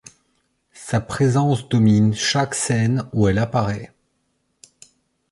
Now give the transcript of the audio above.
Sa présence domine chaque scène où elle apparaît.